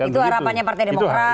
itu harapannya partai demokrat